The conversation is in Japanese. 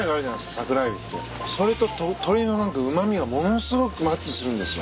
それと鶏のうま味がものすごくマッチするんですよ。